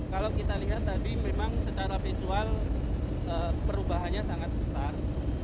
kalau kita lihat tadi memang secara visual perubahannya sangat besar